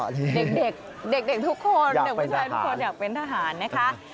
เด็กเด็กทุกคนเด็กผู้ชายทุกคนอยากเป็นทหารนะคะ